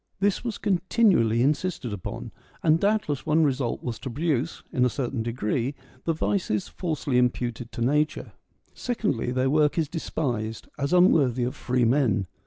This was continually insisted upon ; and doubtless one result was to produce, in a certain degree, the vices falsely imputed to nature. Secondly, their work is despised, as unworthy of free men.